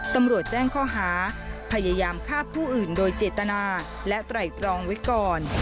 ตำรวจแจ้งข้อหาพยายามฆ่าผู้อื่นโดยเจตนาและไตรตรองไว้ก่อน